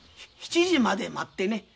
７時まで待ってね